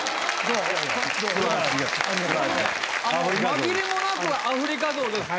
紛れもなくアフリカゾウです。